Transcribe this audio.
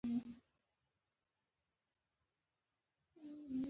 خو په یو موډرن اقتصاد کې د انګېزې نشتون نه شي جبرانولی